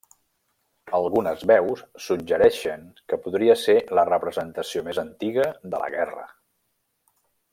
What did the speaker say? Algunes veus suggereixen que podria ser la representació més antiga de la guerra.